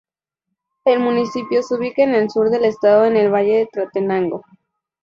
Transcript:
El municipio se ubica en el sur del estado en el Valle de Tlaltenango.